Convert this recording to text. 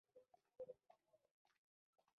ځینې خلک د بوري پر ځای شات کاروي.